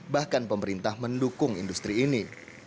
bahkan pemerintah mendukung industri ini